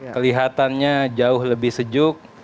kelihatannya jauh lebih sejuk